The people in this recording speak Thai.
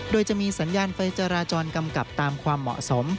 โดยจะมีสัญญาณไฟจราจรกำกับตามความเหมาะสม